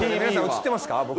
映ってます。